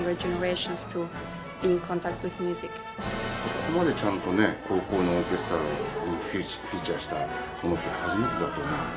ここまでちゃんとね高校のオーケストラにフィーチャーしたものって初めてだと思うので。